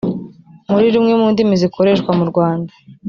muri rumwe mu ndimi zikoreshwa mu rwanda